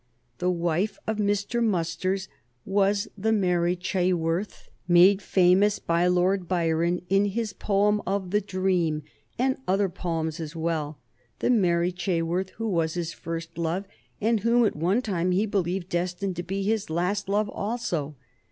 The wife of Mr. Musters was the Mary Chaworth made famous by Lord Byron in his poem of the "Dream," and other poems as well the Mary Chaworth who was his first love, and whom, at one time, he believed destined to be his last love also.